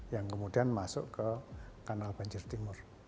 yang kemudian masuk ke kanal banjir timur